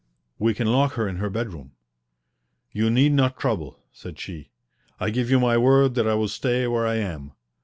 "We can lock her in her bedroom." "You need not trouble," said she. "I give you my word that I will stay where I am.